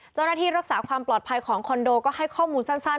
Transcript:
เจ้าหน้าที่รักษาความปลอดภัยของคอนโดก็ให้ข้อมูลสั้น